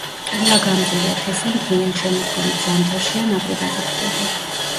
ყინვაგამძლეა, თესენ გვიან შემოდგომით, ზამთარში ან ადრე გაზაფხულზე.